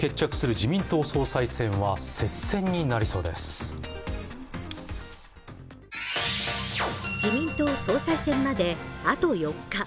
自民党総裁選まであと４日。